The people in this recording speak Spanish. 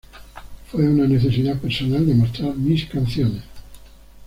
Fue una necesidad personal de mostrar mis canciones.